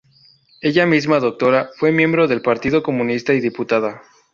Ella misma doctora, fue miembro del partido comunista y diputada.